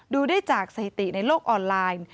ดูได้จากสถิติในโลกออนไลน์